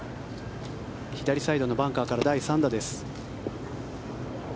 左サイドのバンカーから第３打です。